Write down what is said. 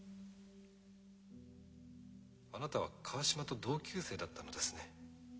あなたは川島と同級生だったのですね。